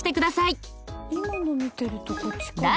今の見てるとこっちかな？